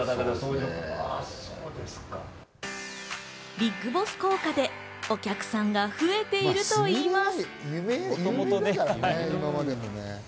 ＢＩＧＢＯＳＳ効果でお客さんが増えているといいます。